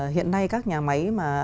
hiện nay các nhà máy mà